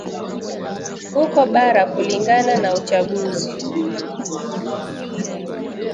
Huko bara kulingana na uchunguzi